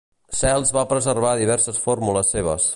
Cels va preservar diverses fórmules seves.